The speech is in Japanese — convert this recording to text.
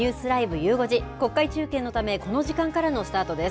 ゆう５時、国会中継のため、この時間からのスタートです。